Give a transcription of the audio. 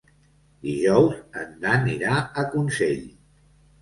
Dijous en Dan irà a Consell.